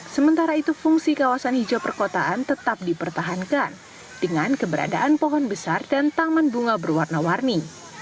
sementara itu fungsi kawasan hijau perkotaan tetap dipertahankan dengan keberadaan pohon besar dan taman bunga berwarna warni